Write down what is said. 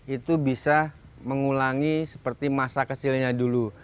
itu bisa mengulangi seperti masa kecilnya dulu